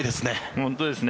本当ですね。